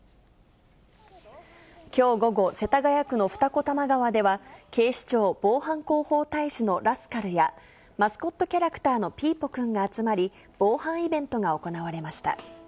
きょう午後、世田谷区の二子玉川では、警視庁防犯広報大使のラスカルや、マスコットキャラクターのピーポくんが集まり、防犯イベントが行われました。